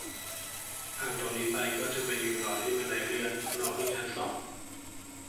ผ่านตรงนี้ไปก็จะไปยืนรอที่บันไดเลื่อน รอขึ้นชั้นสอง